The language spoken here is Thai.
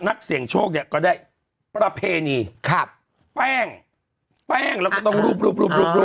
นักเสี่ยงโชคเนี่ยก็ได้ประเพณีครับแป้งแป้งแล้วก็ต้องรูปรูปรูปรูป